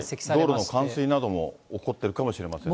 道路の冠水なども起こってるかもしれませんね。